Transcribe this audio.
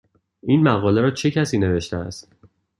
این مقاله را چه کسی نوشته است؟